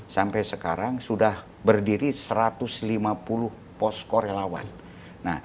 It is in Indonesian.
sampai sekarang sudah berdiri satu ratus lima puluh posko relawan